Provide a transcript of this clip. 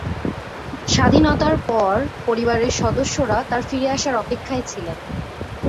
স্বাধীনতার পর পরিবারের সদস্যরা তার ফিরে আসার অপেক্ষায় ছিলেন।